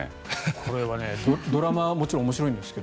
これはドラマはもちろん面白いんですが